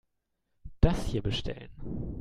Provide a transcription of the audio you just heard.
Das hier bestellen.